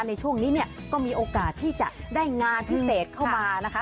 ในช่วงนี้เนี่ยก็มีโอกาสที่จะได้งานพิเศษเข้ามานะคะ